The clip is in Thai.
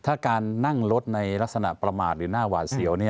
ถ้าการนั่งรถในลักษณะประมาทหรือหน้าหวาดเสียว